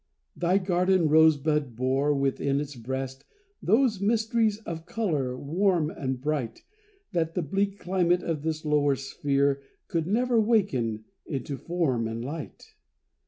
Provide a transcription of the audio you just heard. Thy garden rosebud bore, within its breast, Those mysteries of color, warm and bright, That the bleak climate of this lower sphere Could never waken into form and light.